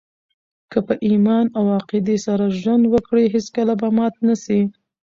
که په ایمان او عقیدې سره ژوند وکړئ، هېڅکله به مات نه سئ!